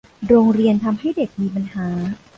โรงเรียนทำให้เด็กมีปัญหา